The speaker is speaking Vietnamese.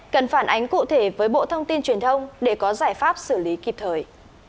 cần phản ánh cụ thể với bộ thông tin truyền thông để có giải pháp xử lý kịp thời